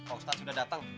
oksan sudah datang